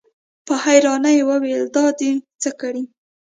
په حيرانۍ يې وويل: دا دې څه کړي؟